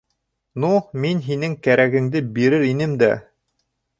Ну, мин һинең кәрәгеңде бирер инем дә!